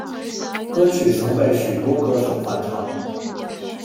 歌曲曾被许多歌手翻唱。